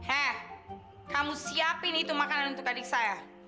eh kamu siapin itu makanan untuk adik saya